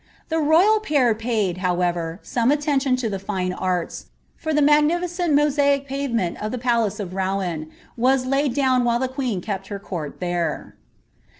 The roy»l ptkir paid, ' ever, some alieiition to the fine arts, for the magnificent mooaie fmn of the jialace of Houen, was laid down while the queen kept bcr i ihere."'